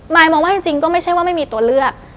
ยมองว่าจริงก็ไม่ใช่ว่าไม่มีตัวเลือก